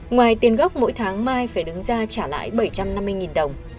ngoài tiền gốc mỗi tháng mai phải đứng ra trả lại bảy trăm năm mươi đồng